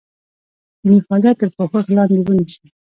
دیني فعالیت تر پوښښ لاندې ونیسي.